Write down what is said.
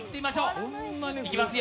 いきますよ